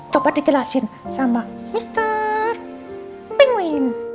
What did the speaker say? coba dijelasin sama mr pinguin